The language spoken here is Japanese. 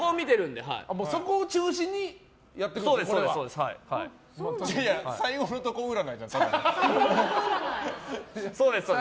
そこを中心にってことですね。